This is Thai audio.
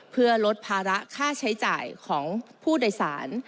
เพื่อลดภาระค่าใช้จะของผู้ด่ายสาน